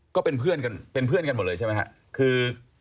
ก็เป็นเพื่อนกันหมดเลยใช่ไหมครับคือ